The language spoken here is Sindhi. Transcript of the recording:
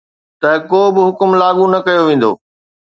ته ڪو به حڪم لاڳو نه ڪيو ويندو